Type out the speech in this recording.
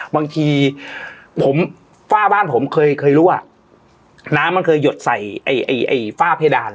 บางทีผมฝ้าบ้านผมเคยเคยรู้ว่าน้ำมันเคยหยดใส่ไอ้ไอ้ฝ้าเพดาน